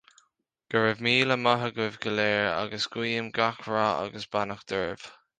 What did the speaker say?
Go raibh míle maith agaibh go léir agus guím gach rath agus beannacht oraibh.